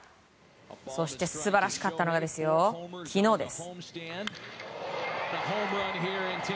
そして素晴らしかったのが昨日です。